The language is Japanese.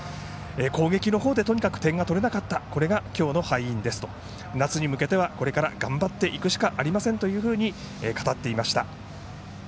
攻撃の方でとにかく点が取れなかったそれが今日の敗因です夏に向けては、これから頑張っていくしかありませんと語っていました。